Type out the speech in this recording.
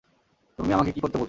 তুমি আমাকে কি করতে বলছো?